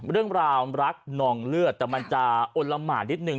เรื่องราวรักนองเลือดแต่มันจะอลละหมานนิดนึ